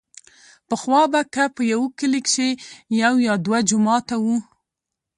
پخوا به که په يوه کلي کښې يو يا دوه جوماته وو.